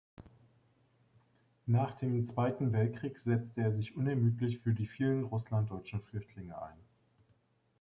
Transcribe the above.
Nach dem Zweiten Weltkrieg setzte er sich unermüdlich für die vielen russlanddeutschen Flüchtlinge ein.